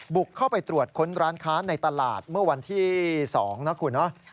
บุกเข้าไปตรวจค้นร้านค้าในตลาดเมื่อวันที่๒นะคุณเนาะ